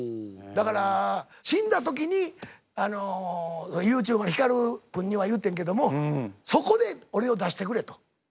だから死んだ時にＹｏｕＴｕｂｅのヒカル君には言うてんけども「そこで俺を出してくれ」と。